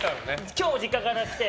今日も実家から来て。